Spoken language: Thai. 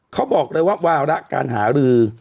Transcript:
เขาบอกเลยว่าวาระการหารือ